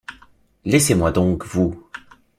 Laissez-moi donc, vous!